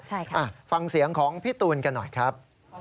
ใช่ค่ะฟังเสียงของพี่ตูนกันหน่อยครับ